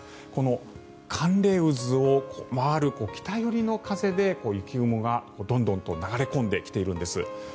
この寒冷渦を回る北寄りの風で雪雲がどんどんと流れ込んできているんです。